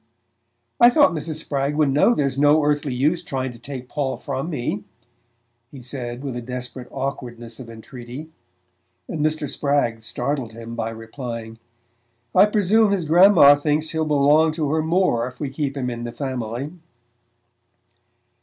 "I thought Mrs. Spragg would know there's no earthly use trying to take Paul from me," he said with a desperate awkwardness of entreaty, and Mr. Spragg startled him by replying: "I presume his grandma thinks he'll belong to her more if we keep him in the family."